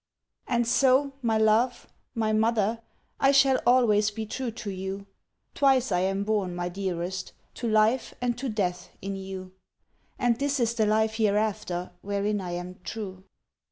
And so, my love, my mother, I shall always be true to you; Twice I am born, my dearest, To life, and to death, in you; And this is the life hereafter Wherein I am true.